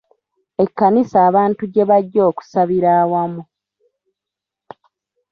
Ekkanisa abantu gye bajja okusabira awamu.